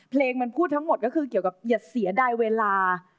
เพลงมันพูดทั้งหมดก็คือเกี่ยวกับอย่าเสียดายเวลา